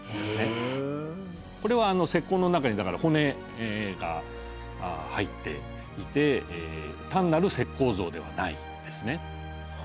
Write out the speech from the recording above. これは石膏の中にだから骨が入っていて単なる石膏像ではないんですね。